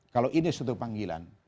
kalau ini suatu panggilan